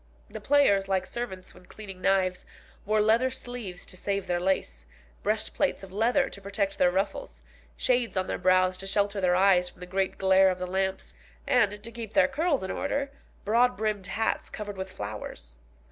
The players, like servants when cleaning knives, wore leather sleeves to save their lace, breastplates of leather to protect their ruffles, shades on their brows to shelter their eyes from the great glare of the lamps, and, to keep their curls in order, broad brimmed hats covered with flowers.